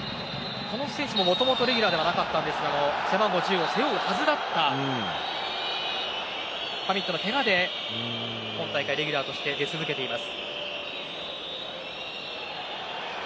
この選手も、もともとレギュラーではなかったんですが背番号１０を背負うはずだった選手のけがで今大会、出続けています。